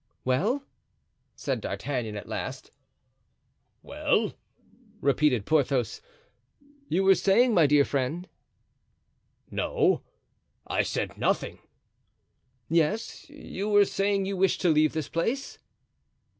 "Well?" said D'Artagnan, at last. "Well!" repeated Porthos. "You were saying, my dear friend——" "No; I said nothing." "Yes; you were saying you wished to leave this place."